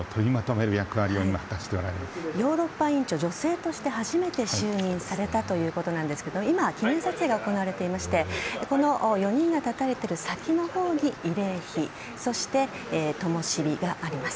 ヨーロッパ委員長女性として初めて就任されたということですが今記念撮影が行われていましてこの４人が立たれている先のほうに慰霊碑そして、ともしびがあります。